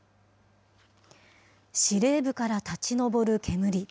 司令部から立ち上る煙。